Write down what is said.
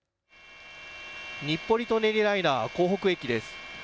日暮里・舎人ライナー江北駅です。